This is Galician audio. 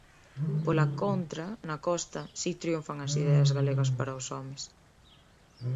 Pola contra, na costa si triunfan as ideas galegas para os homes.